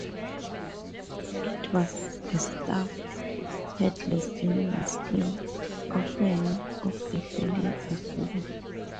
It was a stuffed, headless animal skin, often of a feline or bull.